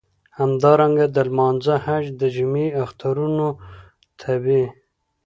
همدارنګه د لمانځه، حج، د جمعی، اخترونو خطبی.